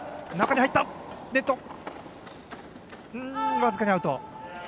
僅かにアウト。